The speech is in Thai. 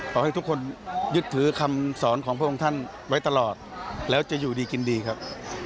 ขอให้ทุกคนยึดถือคำสอนของพระองค์ท่านไว้ตลอดแล้วจะอยู่ดีกินดีครับ